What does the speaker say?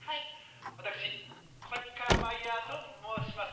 わたくしコサッカーマイヤーともうします。